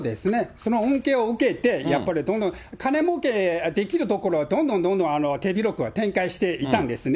その恩恵を受けて、やっぱりどんどん金もうけできるところはどんどんどんどん手広く展開していたんですね。